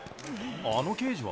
あの刑事は？